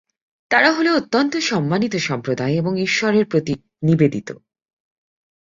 তারা হল অত্যন্ত সম্মানিত সম্প্রদায় এবং ঈশ্বরের প্রতি নিবেদিত।